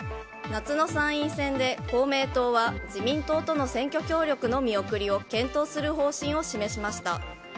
夏の参院選で公明党は自民党との選挙協力の見送りを検討する方針を示しました。